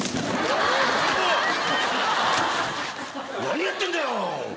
何やってんだよ？